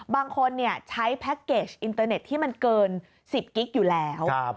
บางคนใช้แพ็คเกจอินเตอร์เน็ตที่มันเกิน๑๐กิ๊กอยู่แล้ว